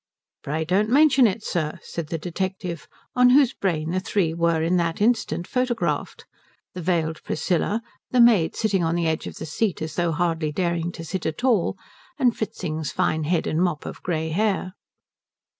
"Pray don't mention it, sir," said the detective, on whose brain the three were in that instant photographed the veiled Priscilla, the maid sitting on the edge of the seat as though hardly daring to sit at all, and Fritzing's fine head and mop of grey hair.